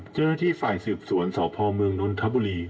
เจ้าหน้าที่ฝ่ายสืบสวนสพเมืองนนทบุรี